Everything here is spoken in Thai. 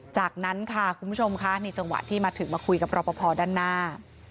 จากนั้นค่ะคุณผู้ชมค่ะนี่จังหวะที่มาถึงมาคุยกับรอปภด้านหน้า